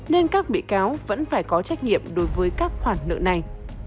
nên các bị cáo vẫn phải có trách nhiệm đối với các khoản nợ này